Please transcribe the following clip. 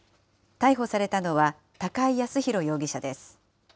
逮捕されたのは、高井靖弘容疑者です。